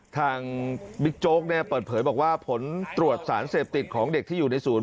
ทางบิ๊กโจ๊กเปิดเผยบอกว่าผลตรวจสารเสพติดของเด็กที่อยู่ในศูนย์